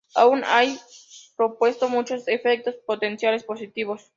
Aún han propuesto muchos efectos potenciales positivos.